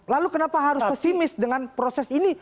lalu kenapa harus pesimis dengan proses ini